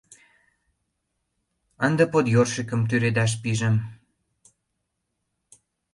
Ынде «подъёршикым» тӱредаш пижым.